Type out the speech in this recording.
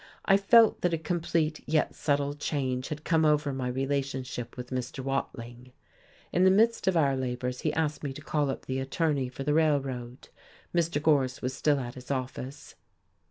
I felt that a complete yet subtle change had come over my relationship with Mr. Watling. In the midst of our labours he asked me to call up the attorney for the Railroad. Mr. Gorse was still at his office.